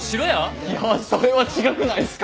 いやそれは違くないっすか？